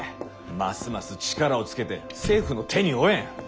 ますます力をつけて政府の手に負えん。